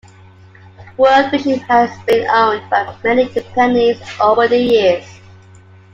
Worldvision has been owned by many companies over the years.